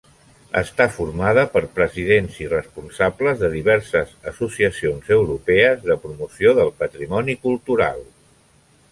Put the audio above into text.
Està formada per presidents i responsables de diverses associacions europees de promoció del patrimoni cultural.